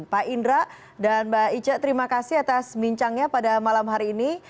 pak indra dan mbak ica terima kasih atas bincangnya pada malam hari ini